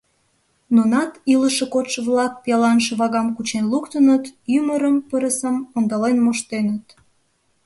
Нунат, илыше кодшо-влак, пиалан шывагам кучен луктыныт, ӱмырым, пырысым, ондален моштеныт.